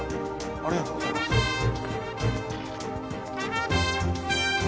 ありがとうございます。